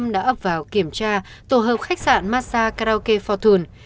đã ấp vào kiểm tra tổ hợp khách sạn massa karaoke fortune